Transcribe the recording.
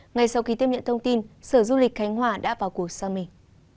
ngay sau khi tiếp nhận thông tin sở du lịch khánh hòa đã vào cuộc xa mình